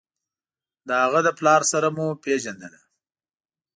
د هغه د پلار سره مو پېژندله.